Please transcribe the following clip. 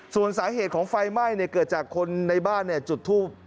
ส่วนสาเหตุของไฟไหม้เกิดจากคนในบ้านจุดทูบ